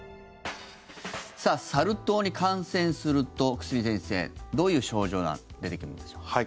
さあ、サル痘に感染すると久住先生、どういう症状が出てくるんでしょうか。